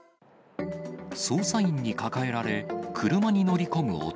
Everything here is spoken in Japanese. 捜査員に抱えられ、車に乗り込む男。